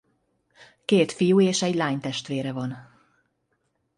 Két fiú- és egy lánytestvére van.